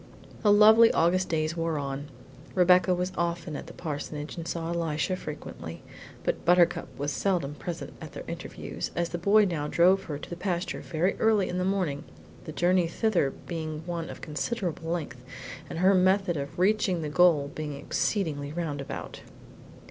The lovely August days wore on. Rebecca was often at the parsonage and saw Elisha frequently, but Buttercup was seldom present at their interviews, as the boy now drove her to the pasture very early in the morning, the journey thither being one of considerable length and her method of reaching the goal being exceedingly roundabout.